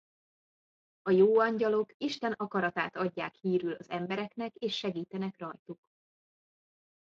A jó angyalok Isten akaratát adják hírül az embereknek és segítenek rajtuk.